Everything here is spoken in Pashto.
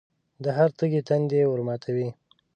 د هر تږي تنده ورماتوي.